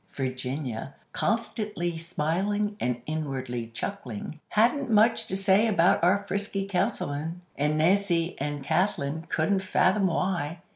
Virginia, constantly smiling and inwardly chuckling, hadn't much to say about our frisky Councilman; and Nancy and Kathlyn couldn't fathom why.